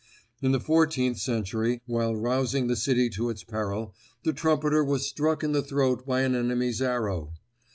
In the fourteenth century, while rousing the city to its peril, the trumpeter was struck in the throat by an enemy's arrow.